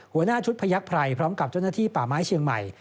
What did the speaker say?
หัวหน้าชุดพยักษ์ไพรพร้อมกับเจ้าหน้าที่ป่าไม้เชียงใหม่